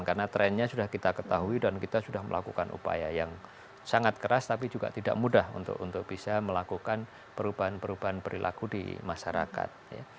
karena trennya sudah kita ketahui dan kita sudah melakukan upaya yang sangat keras tapi juga tidak mudah untuk bisa melakukan perubahan perubahan perilaku di masyarakat